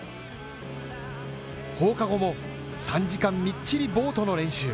放課後も３時間みっちりボートの練習。